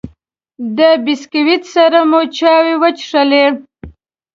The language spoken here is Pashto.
د بسکوټ سره مو چای وڅښلې.